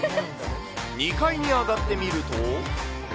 ２階に上がってみると。